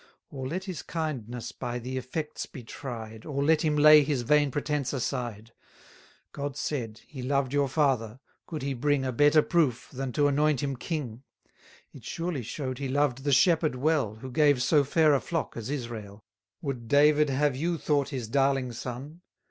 Or let his kindness by the effects be tried, Or let him lay his vain pretence aside. God said, he loved your father; could he bring A better proof, than to anoint him king? 430 It surely show'd he loved the shepherd well, Who gave so fair a flock as Israel. Would David have you thought his darling son?